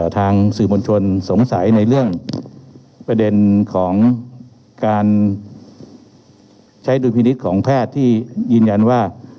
ทางสื่อมวลชนสงสัยในเรื่องประเด็นของการใช้ดุลพินิษฐ์ของแพทย์ที่ยืนยันว่า